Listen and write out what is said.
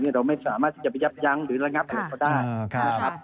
เราไม่สามารถไปยักษ์ยั้งหรือระงับเรื่องพอด้าน